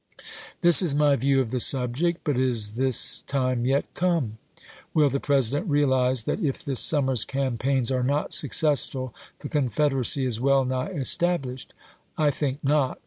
This is my view of the subject, but is this time yet come? Will the President realize that if this summer's campaigns are not successful the Confederacy is well nigh estab lished ? I think not.